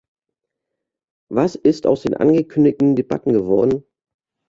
Was ist aus den angekündigten Debatten geworden?